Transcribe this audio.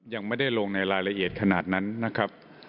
ยังไม่ได้ลงในรายละเอียดขนาดนั้นนะครับ